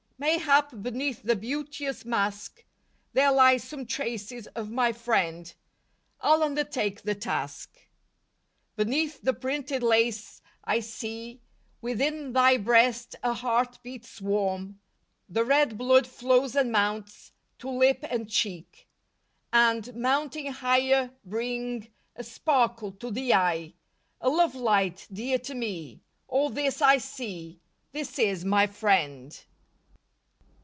Mayhap beneath the beauteous mask, There lie some traces of my friend, I'll undertake the task,— Beneath the printed lace I see Within thy breast a heart beats warm, The red blood flows and mounts To lip and cheek, And, mounting higher bring A sparkle to the eye, A love light dear to me All this I see, This is my friend.